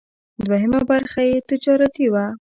دوهمه برخه یې تجارتي وه.